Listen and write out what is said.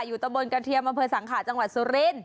ตะบนกระเทียมอำเภอสังขาจังหวัดสุรินทร์